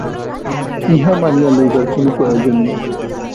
ইহা মানিয়া লইবার কোন প্রয়োজন নাই।